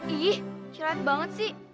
ih kecil banget sih